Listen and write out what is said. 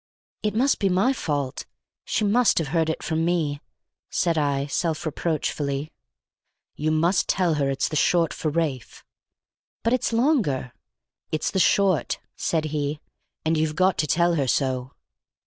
"It must be my fault! She must have heard it from me," said I self reproachfully. "You must tell her it's the short for Ralph." "But it's longer." "It's the short," said he; "and you've got to tell her so."